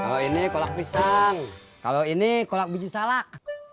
kalau ini kolak pisang kalau ini kolak biji salak